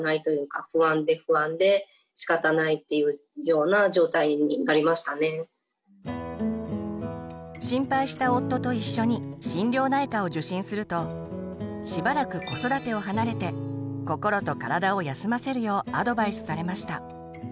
睡眠不足も気にせず無理を重ねたため心配した夫と一緒に心療内科を受診するとしばらく子育てを離れて心と体を休ませるようアドバイスされました。